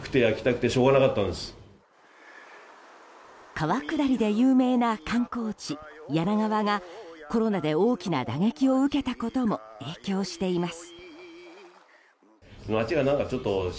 川下りで有名な観光地・柳川がコロナで大きな打撃を受けたことも影響しています。